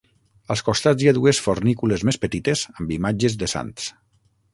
Als costats hi ha dues fornícules més petites amb imatges de sants.